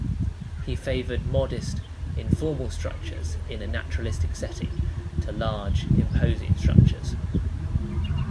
He favored modest, informal structures in a naturalistic setting to large, imposing structures.